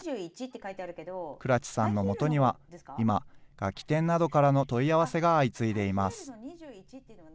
倉知さんのもとには、今、楽器店などからの問い合わせが相次いでいます。